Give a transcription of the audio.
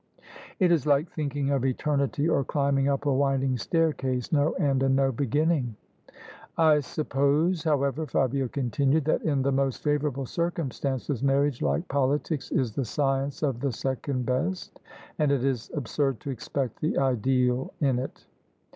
" It is like thinking of eternity or climbing up a winding staircase — ^no end and no beginning! "" I suppose, however," Fabia continued, " that m the most favourable circumstances marriage, like politics, is the science of the second best, and it is absurd to expect the ideal in it."